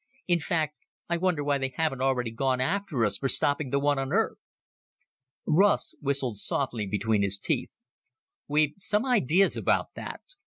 In fact, I wonder why they haven't already gone after us for stopping the one on Earth?" Russ whistled softly between his teeth. "We've some ideas about that.